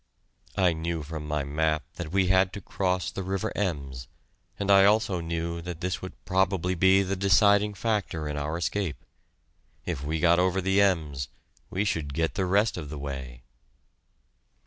I knew from my map that we had to cross the river Ems, and I also knew that this would probably be the deciding factor in our escape. If we got over the Ems, we should get the rest of the way.